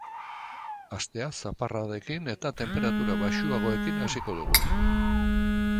Astea zaparradekin eta tenperatura baxuagoekin hasiko dugu.